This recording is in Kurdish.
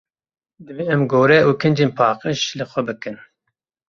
Divê em gore û kincên paqij li xwe bikin.